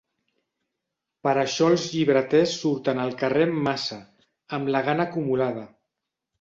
Per això els llibreters surten al carrer en massa, amb la gana acumulada.